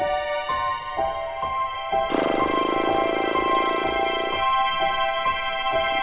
ustaz lu sana bencana